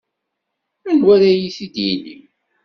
Anwa ara iyi-t-id-yinin?